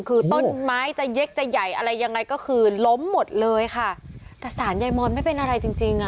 คือต้นไม้จะเยกจะใหญ่อะไรยังไงก็คือล้มหมดเลยค่ะแต่สารยายมอนไม่เป็นอะไรจริงจริงอ่ะ